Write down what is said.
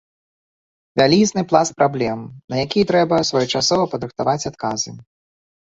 Вялізны пласт праблем, на якія трэба своечасова падрыхтаваць адказы.